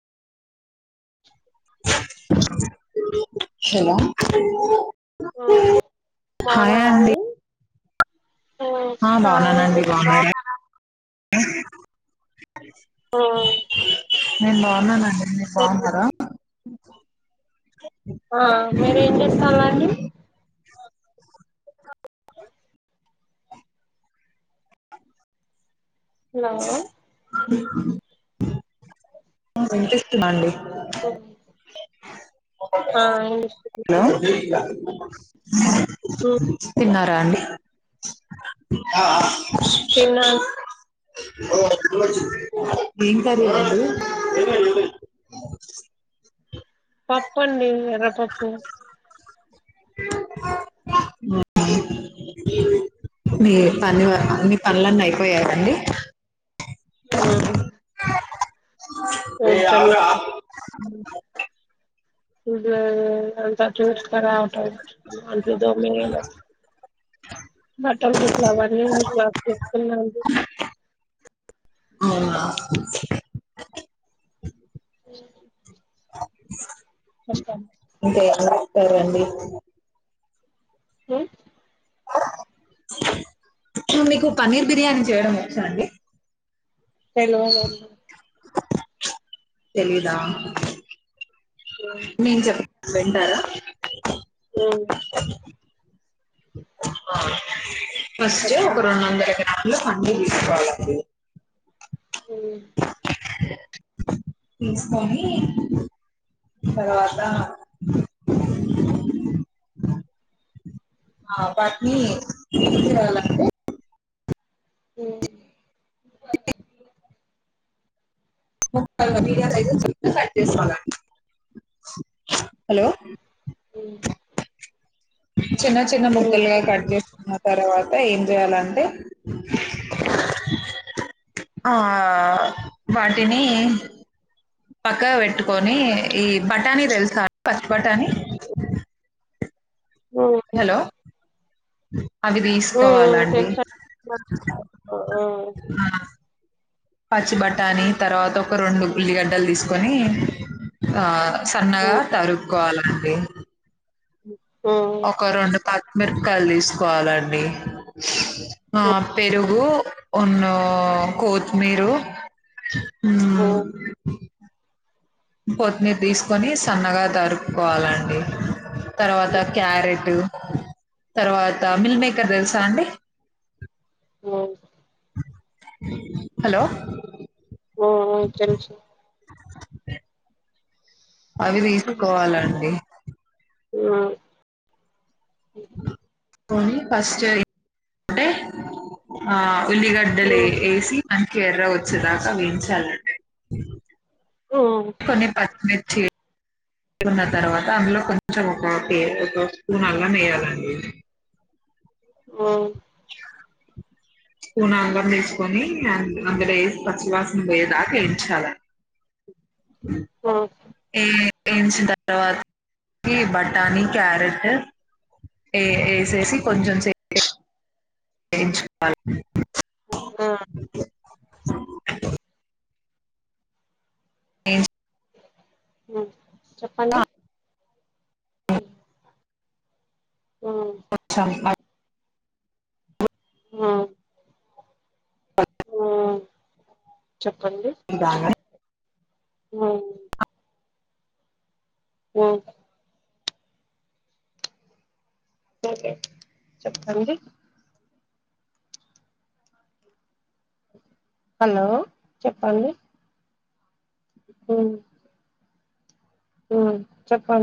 Hello ఆ బాగున్నారా అండి హ్మ్ ఆ బాగున్నానండి హాయండి బాగున్నారా నేను బాగున్నానండి మీరు బాగున్నారా ఆ మీరేం చేస్తాలండి హలో ఇంతస్తుంద అండి అ హలో తిన్న అండి తిన్నా అ ఏం కర్రీ అండి పప్పు అండి ఎర్ర పప్పు అ మీ పనీ వర్క్ మీ పనులన్నీ అయిపోయాయా అండి ఉమ్ రే ఆగురా ఇల్లంతా తూర్చుక రావాల అంట్లు దోమిన బట్టలు రేపు [unintelligible] అవునా ఉం నస్క అంతే అస్తారండి హు మీకు పన్నీర్ బిర్యానీ చేయడం వచ్చా అండి తెలువదండి తెలిదా నేను చెప్త వింటారా ఉమ్ ఆ ఫస్ట్ ఒక చెప్పండి రెండు వందల గ్రాములు ఇలా పన్నీర్ తీసుకోవాలండి హుమ్ తీసుకొని తర్వాత ఆ వాటిని తీసురావాలంటే ఉమ్ ముక్కలు బిర్యాని కోసం లైట్ గా కట్ చేసుకోవాలండి హలో ఉమ్ చిన్న చిన్న ఉమ్ ముక్కలుగా కట్ చెప్పండి చేసుకున్న తర్వాత అ ఏం చేయాలంటే ఆ వాట్ తిని పక్కగా పెట్టుకొని ఈ బఠానీ తెలుస ఫస్ట్ బఠానీ ఉమ్ హలో అ అవి ఉమ్ తీసుకోవాలండి తెలుస ఉమ్ పచ్చి బట్టాని తర్వాత ఒక రెండు ఉల్లిగడ్డలు తీసుకొని ఆ సన్నగా తరుగు కాల్ అండి ఉ ఒక రెండు పాల్ మిరపకాయలు తీసుకోవాలండి. ఆ పెరుగు ఉన్న కొత్తిమీర్ కో కొత్మీరు తీసుకొని సన్నగా తరుక్కోవాలండి. తర్వాత క్యారెట్ తర్వాత మిల్ మేకర్ తెలుసా అండి. ఒ హలో ఓ తెలుసు ప అవి తీసుకోవాలండి. ఉనా ఉ పోని పచ్చడి అంటే ఆ ఉమ్ ఉల్లిగడ్డలేసి అనకే ఎర్రగ వచ్చేదాంకా వేయించాలండి. ఉమ్ కొన్ని పచ్చి మిర్చి ఏ కున్న తర్వాత అందులో కొంచెం ఒక పే ఒక స్పూన్ అల్లం వేయాలండి. ఆ స్పూన్ అల్లం తీసుకొని అందులో వేసి పచ్చివాసన పోయే దాకా వేంచాల ఉమ్ ఏ వేయించిన తర్వాత బఠాని క్యారెట్ వేసేసి కొంచెం వేయించుకోవాలి ఆ ఏన్ ఆ చెప్పండి ఉ [unintelligible] ఆ వా చెప్పండి నను ఆ పతే చెప్పండి హలో చెప్పండి హ హూ చెప్పం